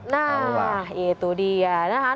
nah itu dia